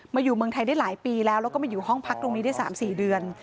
อยู่เมืองไทยได้หลายปีแล้วแล้วก็มาอยู่ห้องพักตรงนี้ได้๓๔เดือน